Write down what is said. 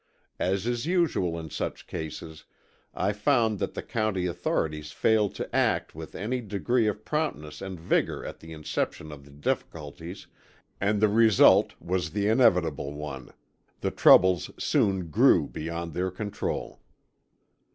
As is usual in such cases, I found that the county authorities failed to act with any degree of promptness and vigor at the inception of the difficulties and the result was the inevitable one the troubles soon grew beyond their control.